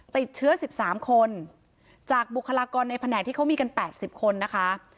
ติดเชื้อ๑๓คนจากบุคลากรในแผนกที่เขามีกัน๘๐คนนะคะ